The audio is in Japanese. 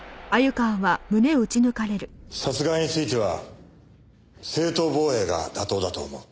殺害については正当防衛が妥当だと思う。